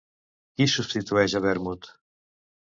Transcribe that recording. Qui substitueix a Bermud?